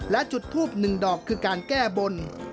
และจุดทูบหนึ่งดอกคือการแก้บน